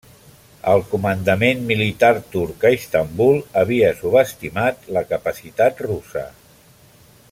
El comandament militar turc a Istanbul havia subestimat la capacitat russa.